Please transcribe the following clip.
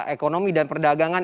ekonomi dan perdagangan